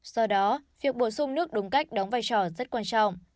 do đó việc bổ sung nước đúng cách đóng vai trò rất quan trọng